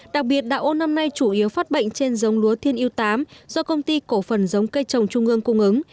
đặc biệt đạo ô năm nay chủ yếu phát bệnh trên giống lúa thiên yêu tám do công ty cổ phần giống cây trồng trung ương cung ứng